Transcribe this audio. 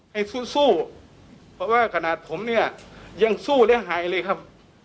ให้สู้สู้เพราะว่าขนาดผมเนี่ยยังสู้และหายเลยครับ